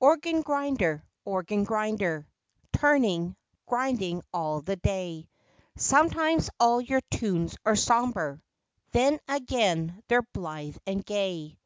O rgan grinder, organ grinder, Turning, grinding all the day, Sometimes all your tunes are sombre, Then again they're blithe and gay.